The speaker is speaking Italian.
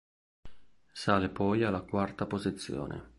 Sale poi alla quarta posizione.